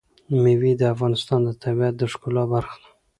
مېوې د افغانستان د طبیعت د ښکلا برخه ده.